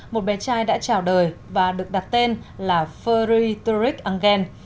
một bé trai đã trào đời và được đặt tên là friedrich angen